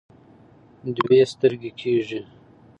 دوی سترګۍ کیږي.